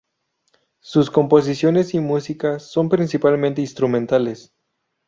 Sus composiciones y música son principalmente instrumentales.